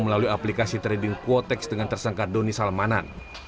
melalui aplikasi trading quotex dengan tersangka doni salmanan